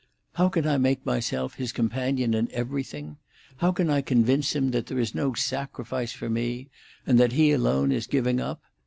"How can I make myself his companion in everything? How can I convince him that there is no sacrifice for me, and that he alone is giving up?